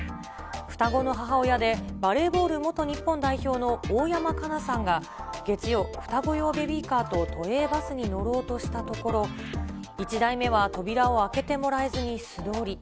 双子の母親でバレーボール元日本代表の大山加奈さんが、月曜、双子用ベビーカーと都営バスに乗ろうとしたところ、１台目は扉を開けてもらえずに、素通り。